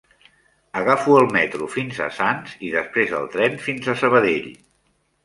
Agafo el metro fins a Sants i després el tren fins a Sabadell.